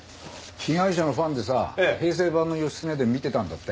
被害者のファンでさ平成版の『義経伝』見てたんだって。